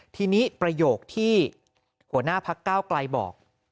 ทีนี้ประโยคที่หัวหน้าพักก้าวไกลบอก